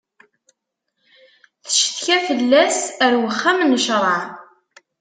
Tcetka fell-as ar wexxam n ccṛeɛ.